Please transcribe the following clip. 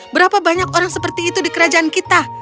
berapa banyak orang seperti itu di kerajaan kita